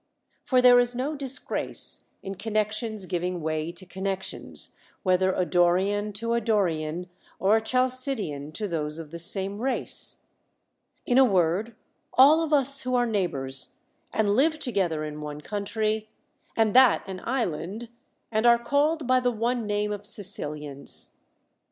Foi there is no disgrace in connections giving way to connections, whether a Dorian to a Dorian, or a Chalcidian to those of the same race; in a word, all of us who are neighbors, aiul live to gether in one country, and that an island, aiul are called by the one name of Sicilians.